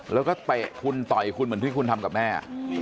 แล้วก็เตะคุณต่อยคุณเหมือนที่คุณทำกับแม่